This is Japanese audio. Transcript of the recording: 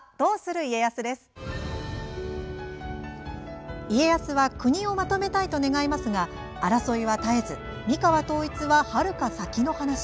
家康は国をまとめたいと願いますが争いは絶えず三河統一は、はるか先の話。